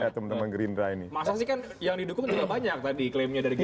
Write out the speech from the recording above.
masa sih kan yang didukung juga banyak tadi klaimnya dari green dry